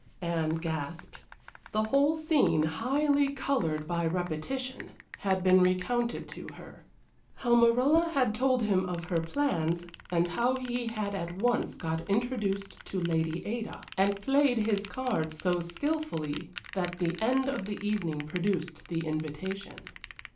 Anne gasped. The whole scene, highly colored by repetition, had been recounted to her. How Morella had told him of her plans, and how he had at once got introduced to Lady Ada, and played his cards so skilfully that the end of the evening produced the invitation.